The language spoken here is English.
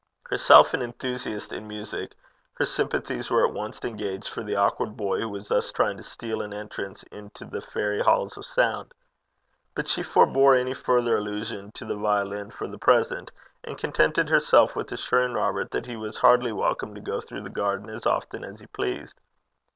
Herself an enthusiast in music, her sympathies were at once engaged for the awkward boy who was thus trying to steal an entrance into the fairy halls of sound. But she forbore any further allusion to the violin for the present, and contented herself with assuring Robert that he was heartily welcome to go through the garden as often as he pleased.